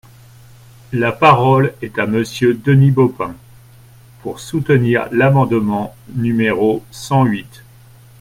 La parole est à Monsieur Denis Baupin, pour soutenir l’amendement numéro cent huit.